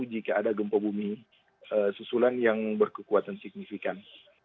jika ada gempa bumi susulan yang berkekuatan signifikan